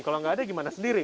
kalau nggak ada gimana sendiri